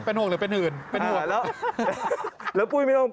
เป็นห่วงหรือเป็นอื่นเป็นห่วง